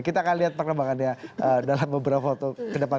kita akan lihat perkembangannya dalam beberapa foto kedepan